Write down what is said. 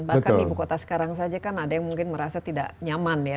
bahkan di ibu kota sekarang saja kan ada yang mungkin merasa tidak nyaman ya